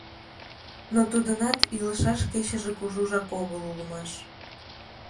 Но тудынат илышаш кечыже кужужак огыл улмаш.